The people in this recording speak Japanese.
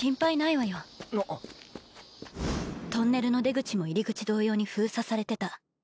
トンネルの出口も入り口同様に封鎖されてた。